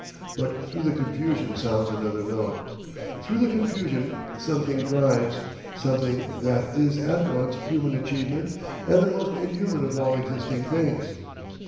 But through the confusion sounds another note. Through the confusion something drives, something that is at once human achievement and the most inhuman of all existing things.